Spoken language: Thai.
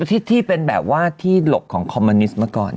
กันดูที่เป็นแบบว่าที่หกของคอมมันนิสต์เมื่อก่อน